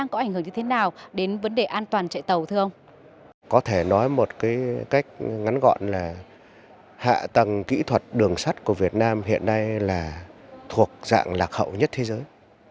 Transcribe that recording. có thể nói một cách ngắn gọn là hạ tầng kỹ thuật đường sắt của việt nam hiện nay là thuộc dạng lạc hậu nhất thế giới